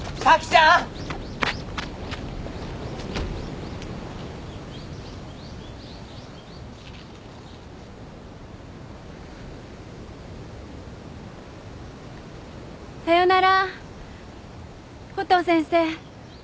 さようならコトー先生。